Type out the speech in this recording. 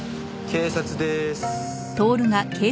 警察でーす。